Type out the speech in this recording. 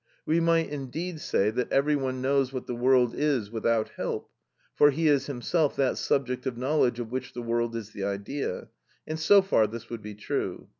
We might indeed say that every one knows what the world is without help, for he is himself that subject of knowledge of which the world is the idea; and so far this would be true.